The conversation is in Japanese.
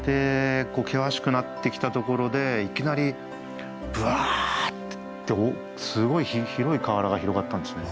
険しくなってきたところでいきなりぶわってすごい広い河原が広がったんですね。